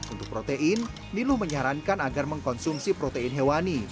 untuk protein niluh menyarankan agar mengkonsumsi protein hewani